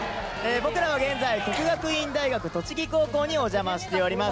僕らは現在、國學院大學栃木高校にお邪魔しております。